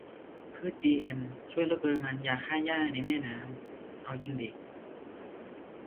พืชจีเอ็ม ช่วยลดปริมาณยาฆ่าหญ้าในแม่น้ำ ? - เอาจิงดิ